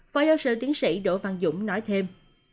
phó giáo sư tiến sĩ đỗ văn dũng nói thêm